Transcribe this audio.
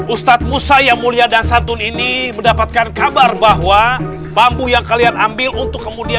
ustadz musa yang mulia dan santun ini mendapatkan kabar bahwa bambu yang kalian ambil untuk kemudian